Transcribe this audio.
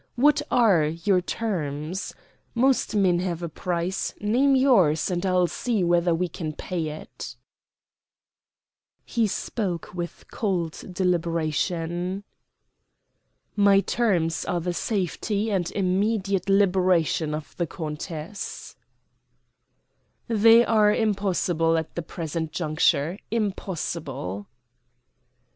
What are your terms? Most men have a price. Name yours, and I'll see whether we can pay it." He spoke with cold deliberation. "My terms are the safety and immediate liberation of the countess." "They are impossible, at the present juncture. Impossible."